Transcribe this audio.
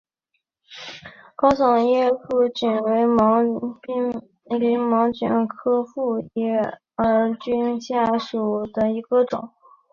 高耸复叶耳蕨为鳞毛蕨科复叶耳蕨属下的一个种。